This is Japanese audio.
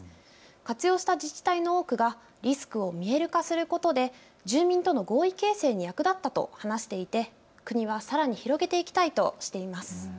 活用した自治体の多くがリスクを見える化することで住民との合意形成に役立ったと話していて国はさらに広げていきたいとしています。